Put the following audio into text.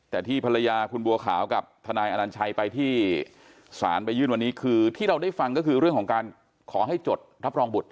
แต่ที่ภรรยาคุณบัวขาวกับทนายอนัญชัยไปที่ศาลไปยื่นวันนี้คือที่เราได้ฟังก็คือเรื่องของการขอให้จดรับรองบุตร